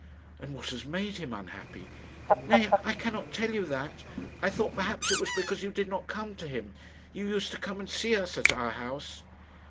"And what has made him unhappy? "Nay, I cannot tell you that. I thought perhaps it was because you did not come to him. You used to come and see us at our house."